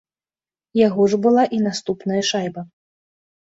Яго ж была і наступная шайба.